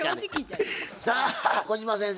さあ小島先生